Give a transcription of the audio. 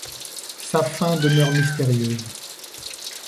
Sa fin demeure mystérieuse.